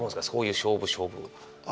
そういう勝負勝負を？